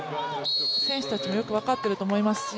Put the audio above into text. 選手たちもよく分かっていると思いますし